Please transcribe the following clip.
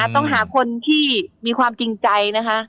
ต้องหาคนที่มีความกินใจ